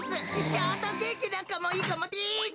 ショートケーキなんかもいいかもです。